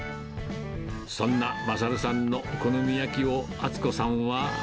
そんな賢さんのお好み焼きを厚子さんは。